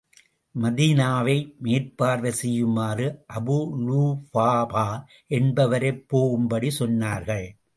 மதீனாவை மேற்பார்வை செய்யுமாறு, அபூ லுபாபா என்பவரைப் போகும்படி சொன்னார்கள்.